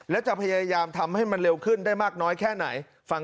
และจะพยายามทำให้มันเร็วขึ้นได้มากน้อยแค่ไหนฟัง